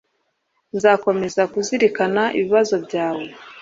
Nzakomeza kuzirikana ibibazo byawe.